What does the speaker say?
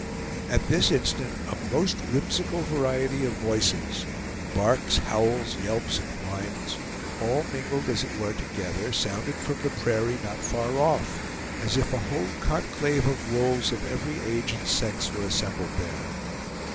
At this instant a most whimsical variety of voices barks, howls, yelps, and whines all mingled as it were together, sounded from the prairie, not far off, as if a whole conclave of wolves of every age and sex were assembled there.